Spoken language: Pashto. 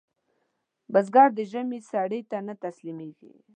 بزګر د ژمي سړې ته نه تسلېږي